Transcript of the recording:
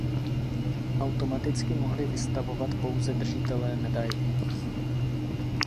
Automaticky mohli vystavovat pouze držitelé medailí.